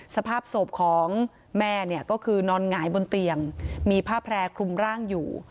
สภาพศพของแม่เนี่ยก็คือนอนหงายบนเตียงมีผ้าแพร่คลุมร่างอยู่